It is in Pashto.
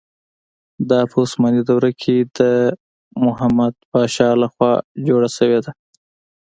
دا په عثماني دوره کې د محمد پاشا له خوا جوړه شوې ده.